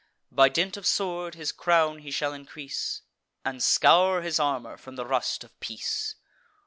By dint of sword his crown he shall increase, And scour his armour from the rust of peace.